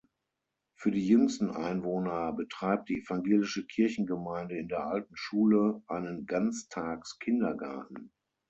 Für die jüngsten Einwohner betreibt die evangelische Kirchengemeinde in der alten Schule einen Ganztags-Kindergarten.